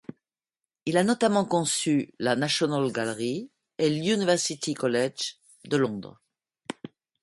Il a notamment conçu la National Gallery et l'University College de Londres.